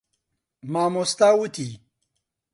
مامۆستا وتی.